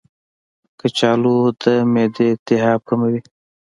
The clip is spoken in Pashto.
کچالو د معدې التهاب کموي.